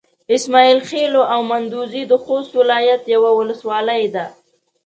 اسماعيل خېلو او مندوزي د خوست ولايت يوه ولسوالي ده.